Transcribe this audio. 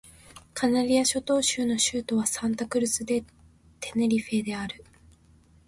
カナリア諸島州の州都はサンタ・クルス・デ・テネリフェである